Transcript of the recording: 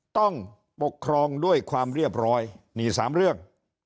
ต้องปกครองด้วยความเรียบร้อยนี่๓เรื่อง